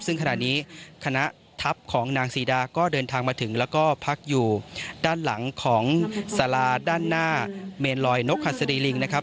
ซึ่งขณะนี้คณะทัพของนางซีดาก็เดินทางมาถึงแล้วก็พักอยู่ด้านหลังของสาราด้านหน้าเมนลอยนกหัสดีลิงนะครับ